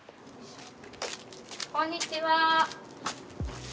こんにちは。